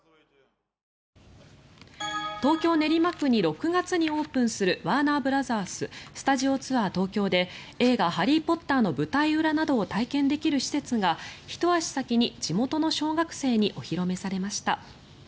東京・練馬区に６月にオープンする「ワーナーブラザーススタジオツアー東京」で映画「ハリー・ポッター」の舞台裏などを体験できる施設がひと足先に地元の小学生にお披露目されました。